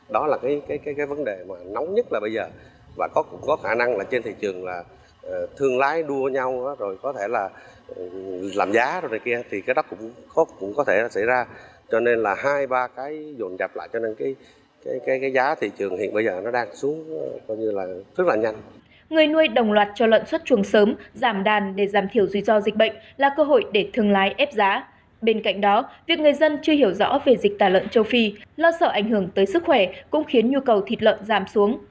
bên cạnh đó việc người dân chưa hiểu rõ về dịch tà lợn châu phi lo sợ ảnh hưởng tới sức khỏe cũng khiến nhu cầu thịt lợn giảm xuống